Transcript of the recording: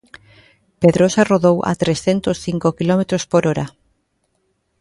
Pedrosa rodou a trescentos cinco quilómetros por hora.